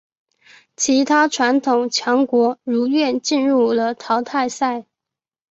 其他传统强国如愿进入了淘汰赛。